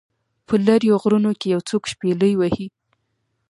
په لیرو غرونو کې یو څوک شپیلۍ وهي